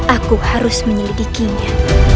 aku harus menyelidikinya